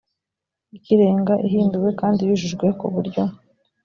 ikirenga ihinduwe kandi yujujwe ku buryo